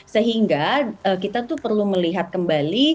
sehingga kita tuh perlu melihat kembali